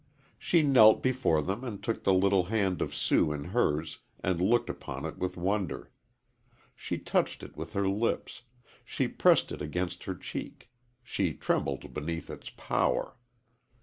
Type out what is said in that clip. She knelt before them and took the little hand of Sue in hers and looked upon it with wonder. She touched it with her lips; she pressed it against her cheek; she trembled beneath its power.